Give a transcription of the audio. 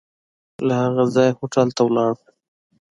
له هغه ځایه هوټل ته ولاړو.